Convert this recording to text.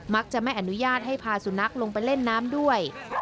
จะไม่อนุญาตให้พาสุนัขลงไปเล่นน้ำด้วย